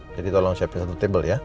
jadi tolong siapin satu table ya